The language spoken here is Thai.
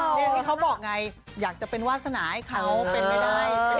อย่างที่เขาบอกไงอยากจะเป็นวาสนาให้เขาเป็นไม่ได้